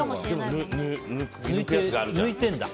あ、抜いてるんだ。